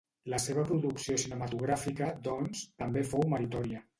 La seva producció cinematogràfica, doncs, també fou meritòria.